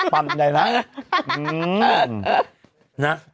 ปั่นใหญ่นะ